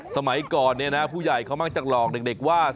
สมัยก่อนเนี่ยนะผู้ใหญ่เขามักจะหลอกเด็กว่า